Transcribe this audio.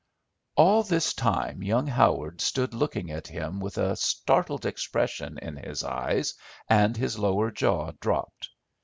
All this time young Howard stood looking at him with a startled expression in his eyes, and his lower jaw dropped.